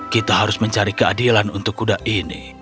kita harus mencari keadilan untuk kuda ini